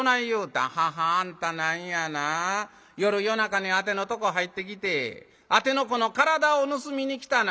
『ははああんたなんやな夜夜中にあてのとこ入ってきてあてのこの体を盗みに来たな？』。